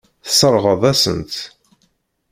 Tesseṛɣeḍ-asent-t.